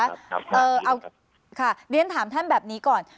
เอ๊ะเดี๋ยวนะคะเดี๋ยวผมถามท่านแบบนี้ก่อน